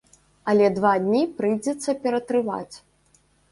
Але два дні прыйдзецца ператрываць.